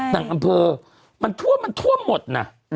ต่างอำเภอมันท่วมหมดนะ